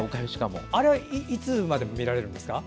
あれはいつまで見られるんですか？